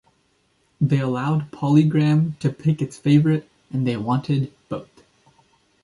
They allowed Polygram to pick its favorite and they wanted both.